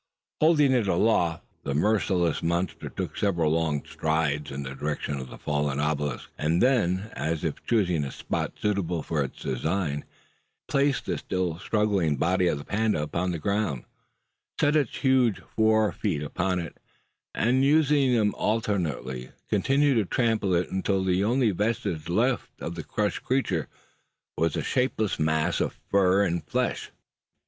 Holding it aloft, the merciless monster took several long strides in the direction of the fallen obelisk; and then, as if choosing a spot suitable for its design, it placed the still struggling body of the panda upon the ground, set its huge fore feet upon it, and using them alternately, continued to trample it until the only vestige left of the crushed creature was a shapeless mass of fur and flesh!